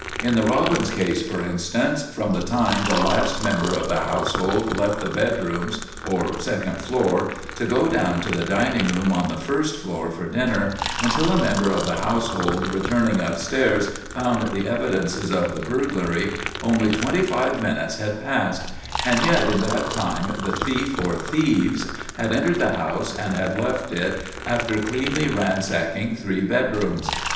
In the Robbins case, for instance, from the time the last member of the household left the bedroom, or second floor, to go down to the dining room on the first floor for dinner, until a member of the household returning upstairs found the evidences of the burglary, only twenty five minutes had passed; and yet in that time the thief or thieves had entered the house and had left it after cleanly ransacking three bedrooms.